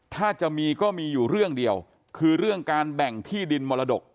ถ้าจะมีก็มีอยู่เรื่องเดียวคือเรื่องการแบ่งที่ดินมรดก